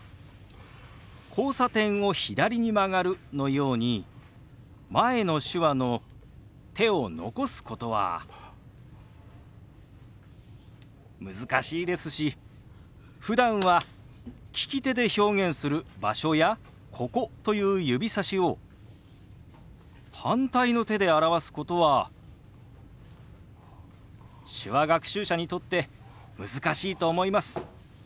「交差点を左に曲がる」のように前の手話の手を残すことは難しいですしふだんは利き手で表現する「場所」や「ここ」という指さしを反対の手で表すことは手話学習者にとって難しいと思います。